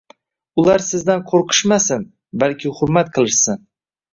Ular sizdan qo‘rqishmasin, balki hurmat qilishsin.